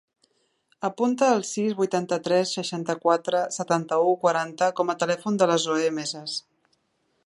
Apunta el sis, vuitanta-tres, seixanta-quatre, setanta-u, quaranta com a telèfon de la Zoè Mesas.